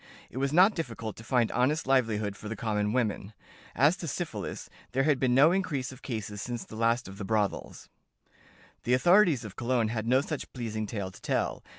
It was not difficult to find honest livelihood for the common women. As to syphilis, there had been no increase of cases since the last of the brothels." The authorities of Cologne had no such pleasing tale to tell.